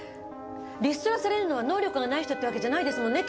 リストラされるのは能力がない人ってわけじゃないですもんね？